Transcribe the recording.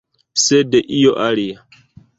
Sed io alia.